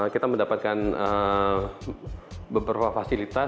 kita mendapatkan beberapa fasilitas